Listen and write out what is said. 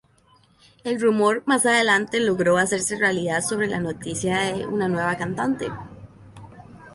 El rumor más adelante, logró hacerse realidad sobre la noticia de una nueva cantante.